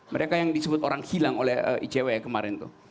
mereka yang disebut orang hilang oleh icw kemarin itu